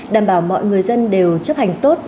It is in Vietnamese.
đảm bảo mọi người dân đều chấp hành tốt